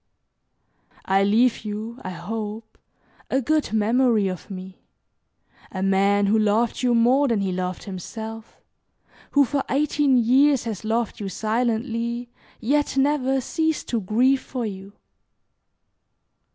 I leave you, I hope, a good memory of me a man who loved you more than he loved himself, who for eighteen years has loved you silently, yet never ceased to grieve for you.